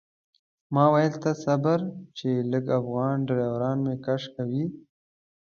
ما ویل ته صبر چې لکه افغان ډریوران مې کش کوي.